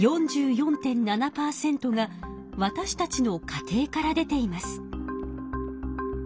４４．７％がわたしたちの家庭から出ています。